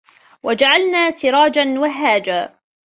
وَجَعَلنا سِراجًا وَهّاجًا